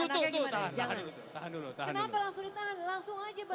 kenapa langsung ditahan langsung aja pak